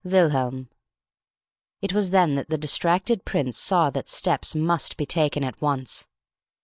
WILHELM." It was then that the distracted prince saw that steps must be taken at once.